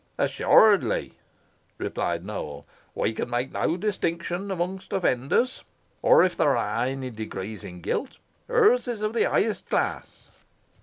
"Assuredly," replied Nowell. "We can make no distinction among such offenders; or, if there are any degrees in guilt, hers is of the highest class."